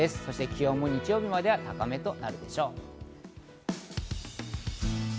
気温も日曜日までは高めとなるでしょう。